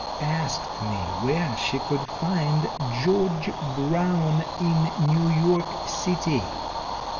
Asked me where she could find _George Brown in New York City!